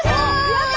やった！